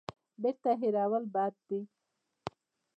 بیرته هېرول بد دی.